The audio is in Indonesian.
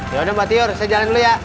yaudah mbak tyur saya jalan dulu ya